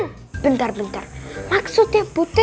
nah bagaimana kalau kita itu beli kue